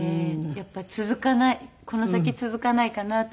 やっぱり続かないこの先続かないかなと思って。